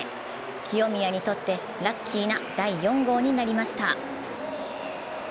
清宮にとってラッキーな第４号になりました。